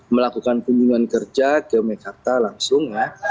melakukan kunjungan kerja ke mekarta langsung ya